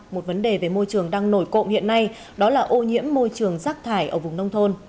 một vấn đề về môi trường đang nổi cộng hiện nay đó là ô nhiễm môi trường rác thải ở vùng nông thôn